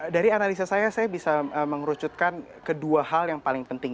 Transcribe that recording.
dari analisa saya saya bisa mengerucutkan kedua hal yang paling penting